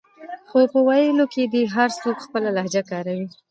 خو په ویلو کې دې هر څوک خپله لهجه کاروي